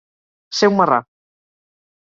Ser un marrà.